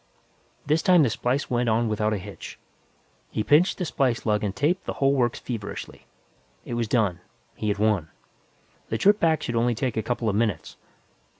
This time the splice went on without a hitch. He pinched the splice lug and taped the whole works feverishly. It was done; he had won. The trip back should take only a couple of minutes.